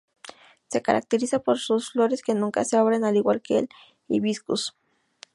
Se caracteriza por sus flores que nunca se abren al igual que el "Hibiscus".